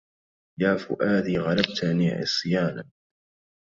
يا فؤادي غلبتني عصيانا